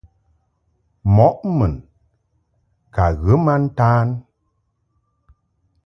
Mɔʼ mun ka ghə ma ntan.